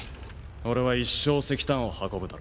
俺は一生石炭を運ぶだろう。